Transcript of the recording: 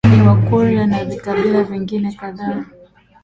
yaani Wakurya na vikabila vingine kadhaa